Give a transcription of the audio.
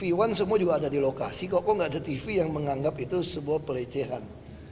iwan semua juga ada di lokasi kok nggak ada tv yang menganggap itu sebuah pelecehan